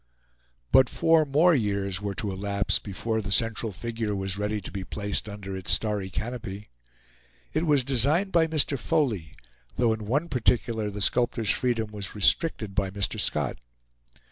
But four more years were to elapse before the central figure was ready to be placed under its starry canopy. It was designed by Mr. Foley, though in one particular the sculptor's freedom was restricted by Mr. Scott.